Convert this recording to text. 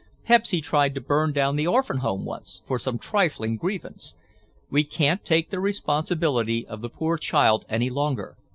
Pepsy tried to burn down the orphan home once, for some trifling grievance. We can't take the responsibility of the poor child any longer.